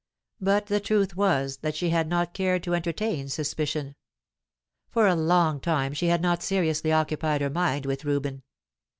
But the truth was that she had not cared to entertain suspicion. For a long time she had not seriously occupied her mind with Reuben.